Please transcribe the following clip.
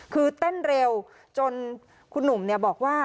คือเต้นเร็วจนคุณหนุ่มบอกว่า